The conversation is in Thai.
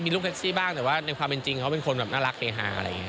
มีลึกแซคซี่บ้างแต่ว่าในความเป็นจริงก็เป็นคนอรักเลหาอะไรนะ